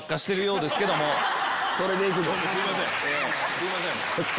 すいません。